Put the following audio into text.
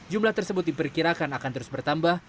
jumlah tersebut diperkirakan akan terus bertambah